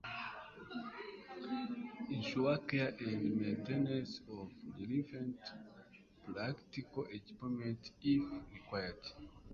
Ensure care and maintenance of relevant practical equipment if required